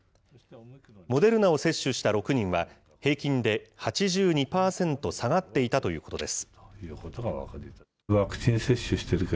モデルナを接種した６人は、平均で８２％下がっていたということです。